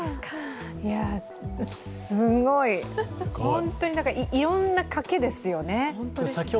すごい、本当にだからいろんな賭けですよね。